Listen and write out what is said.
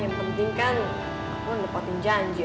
yang penting kan aku nepotin janji